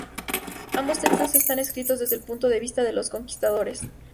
Ambos textos están escritos desde el punto de vista de los conquistadores.